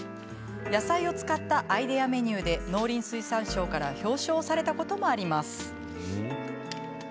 野菜を使ったアイデアメニューで農林水産省から表彰をされたこともあります。